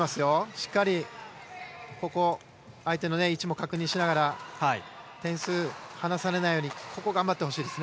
しっかり相手の位置も確認しながら点数を離されないようにここ、頑張ってほしいです。